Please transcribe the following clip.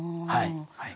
はい。